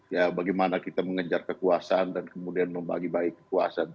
ya bagaimana kita mengejar kekuasaan dan kemudian membagi bagi kekuasaan